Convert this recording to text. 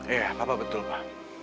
iya papa betul pak